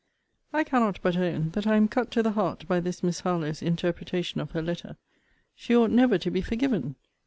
I cannot but own that I am cut to the heart by this Miss Harlowe's interpretation of her letter. She ought never to be forgiven.